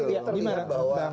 tapi kan di mana bang